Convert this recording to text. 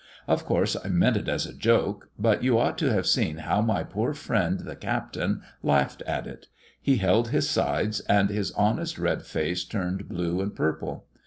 Of course I meant it as a joke. But you ought to have seen how my poor friend, the Captain, laughed at it. He held his sides, and his honest red face turned blue and purple.